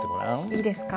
いいですか？